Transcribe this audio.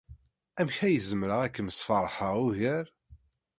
Amek ay zemreɣ ad kem-sfeṛḥeɣ ugar?